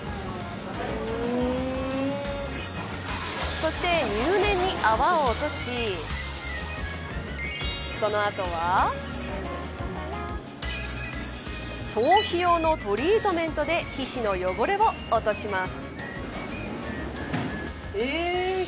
そして、入念に泡を落としその後は頭皮用のトリートメントで皮脂の汚れを落とします。